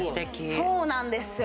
そうなんですよ